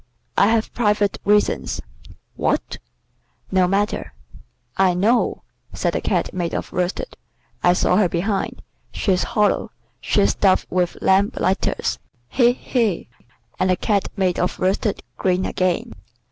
"I have private reasons." "What?" "No matter." "I know," said the Cat made of worsted. "I saw her behind. She's hollow. She's stuffed with lamp lighters. He! he!" and the Cat made of worsted grinned again.